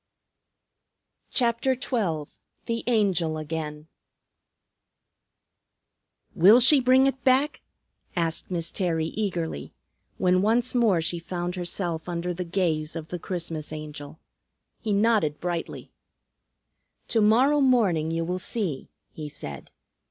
CHAPTER XII THE ANGEL AGAIN "Will she bring it back?" asked Miss Terry eagerly, when once more she found herself under the gaze of the Christmas Angel. He nodded brightly. "To morrow morning you will see," he said.